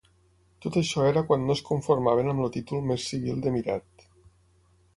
Tot això era quan no es conformaven amb el títol més civil d'emirat.